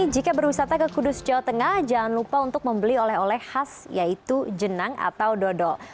jika berwisata ke kudus jawa tengah jangan lupa untuk membeli oleh oleh khas yaitu jenang atau dodol